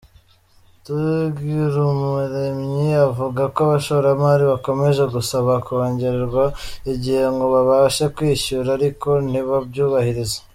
Tugirumuremyi avuga ko abashoramari bakomeje gusaba kongererwa igihe ngo babashe kwishyura ariko ntibabyubahirize.